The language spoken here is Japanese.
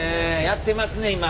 やってますね今！